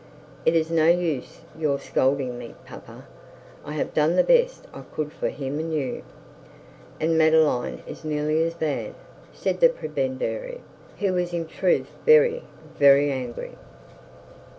'It is no use your scolding me, papa. I have done the best I could for him and you.' 'And Madeline is nearly as bad,' said the prebendary, who was in truth, very, very angry.